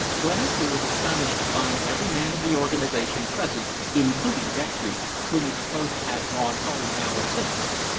Glenister was astonished to find every man of the organization present, including Dextry, whom he supposed to have gone home an hour since.